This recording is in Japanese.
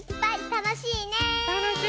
たのしいね！